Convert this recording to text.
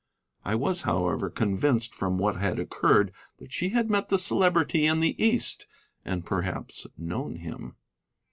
I was, however, convinced from what had occurred that she had met the Celebrity in the East, and perhaps known him.